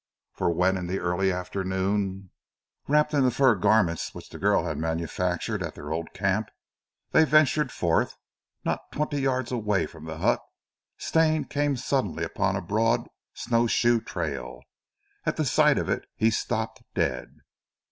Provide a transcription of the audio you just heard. For when, in the early afternoon, wrapped in the fur garments which the girl had manufactured at their old camp, they ventured forth, not twenty yards away from the hut Stane came suddenly upon a broad snow shoe trail. At the sight of it he stopped dead.